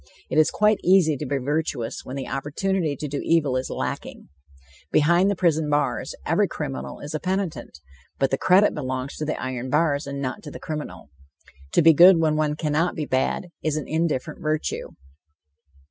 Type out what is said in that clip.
It is quite easy to be virtuous when the opportunity to do evil is lacking. Behind the prison bars, every criminal is a penitent, but the credit belongs to the iron bars and not to the criminal. To be good when one cannot be bad, is an indifferent virtue.